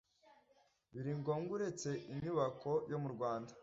biri ngombwa uretse inyubako yo murwanda